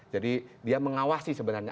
jadi dia mengawasi sebenarnya